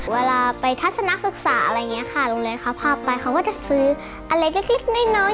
เวลาไปทัศนศึกษาอะไรอย่างนี้ค่ะโรงเรียนเขาพาไปเขาก็จะซื้ออะไรเล็กน้อย